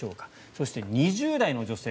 そして２０代の女性